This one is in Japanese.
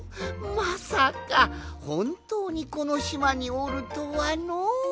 まさかほんとうにこのしまにおるとはのう！